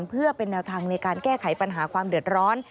เพื่อเป็นแนวทางในการแก้ไขปัญหาความเดือดร้อน